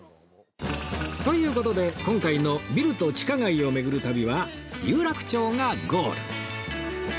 という事で今回のビルと地下街を巡る旅は有楽町がゴール